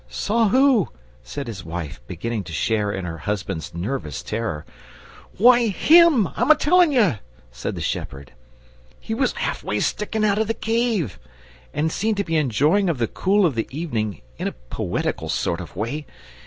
"Saw WHO?" said his wife, beginning to share in her husband's nervous terror. "Why HIM, I'm a telling you!" said the shepherd. "He was sticking half way out of the cave, and seemed to be enjoying of the cool of the evening in a poetical sort of way.